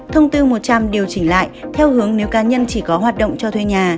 thông tư một trăm linh điều chỉnh lại theo hướng nếu cá nhân chỉ có hoạt động cho thuê nhà